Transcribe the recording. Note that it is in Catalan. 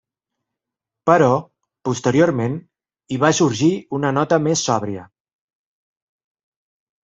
Però, posteriorment, hi va sorgir una nota més sòbria.